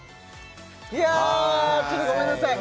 いやちょっとごめんなさい